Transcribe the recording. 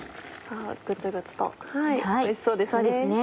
グツグツとおいしそうですね。